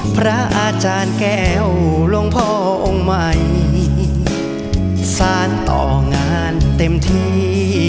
พระอาจารย์แก้วหลวงพ่อองค์ใหม่สารต่องานเต็มที่